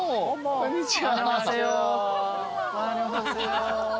こんにちは。